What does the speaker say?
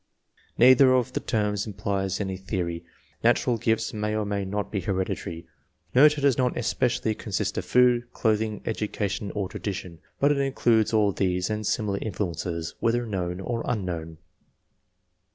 Neither of the terms implies any theory ; natural gifts may or may not be hereditary ; nurture does not especially consist of food, clothing, education or tradition, but it includes all these and similar influences whether known or imknown.